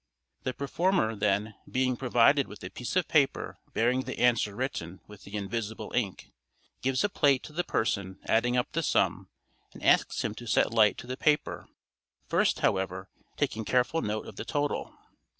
The performer, then, being provided with a piece of paper bearing the answer written with the invisible ink, gives a plate to the person adding up the sum and asks him to set light to the paper, first, however, taking careful note of the total.